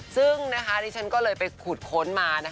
ซึ่งดิฉันก็เลยไปขุดค้นมา